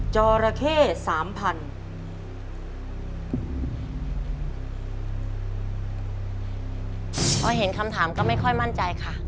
พอเห็นคำถามก็ไม่ค่อยมั่นใจค่ะ